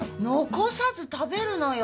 残さず食べるのよ！